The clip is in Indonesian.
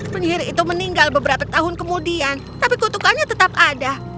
penyihir itu meninggal beberapa tahun kemudian tapi kutukannya tetap ada